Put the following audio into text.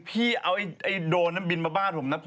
พี่เอาไอ้โดนนั้นเพิ่งไปบ้านผมน่ะ